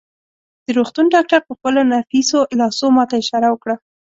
د روغتون ډاکټر په خپلو نفیسو لاسو ما ته اشاره وکړه.